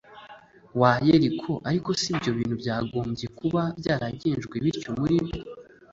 wa yeriko ariko se ibyo bintu byagombye kuba byaragenjwe bite muri bo